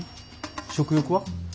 食欲は？